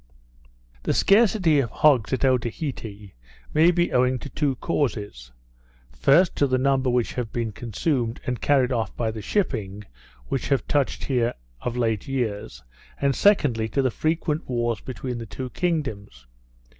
The scarcity of hogs at Otaheite may be owing to two causes; first, to the number which have been consumed, and carried off by the shipping which have touched here of late years; and, secondly, to the frequent wars between the two kingdoms.